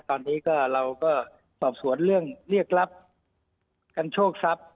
ตอนนี้ก็เราก็สอบสวนเรื่องเรียกรับกันโชคทรัพย์